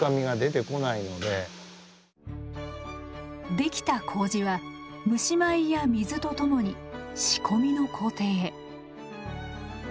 できた麹は蒸米や水とともに仕込みの工程へ。